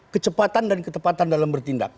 kecepatan dan ketepatan dalam bertindak